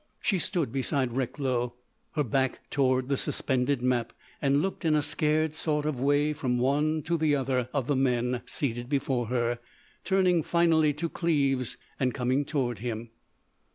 She stood beside Recklow, her back toward the suspended map, and looked in a scared sort of way from one to the other of the men seated before her, turning finally to Cleves, and coming toward him.